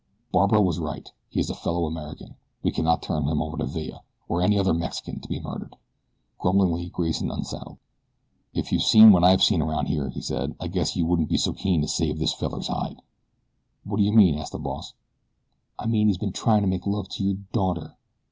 Barbara was right he is a fellow American. We cannot turn him over to Villa, or any other Mexican to be murdered." Grumblingly Grayson unsaddled. "Ef you'd seen what I've seen around here," he said, "I guess you wouldn't be so keen to save this feller's hide." "What do you mean?" asked the boss. "I mean that he's ben tryin' to make love to your daughter."